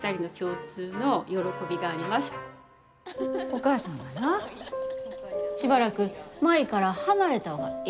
お母さんがなしばらく舞から離れた方がええて。